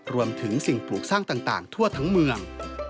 รวมถึงสิ่งปลูกสร้างต่างทั่วทั้งเมือง